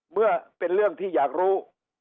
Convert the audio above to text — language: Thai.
เมื่อเป็นเรื่องที่อยากรู้